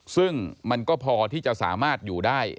ซึ่งมันก็พอที่จะสามารถอยู่ได้